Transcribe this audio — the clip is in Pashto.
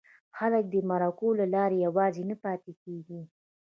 خلک دې د مرکو له لارې یوازې نه پاتې کېږي.